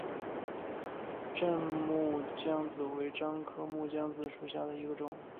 滇木姜子为樟科木姜子属下的一个种。